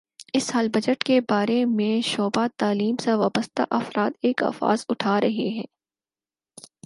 اس سال بجٹ کے بارے میں شعبہ تعلیم سے وابستہ افراد ایک آواز اٹھا رہے ہیں